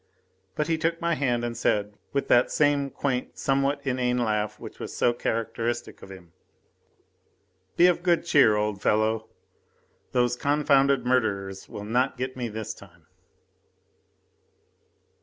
But he took my hand and said, with that same quaint, somewhat inane laugh which was so characteristic of him: "Be of good cheer, old fellow! Those confounded murderers will not get me this time."